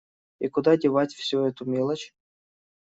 И куда девать всю эту мелочь?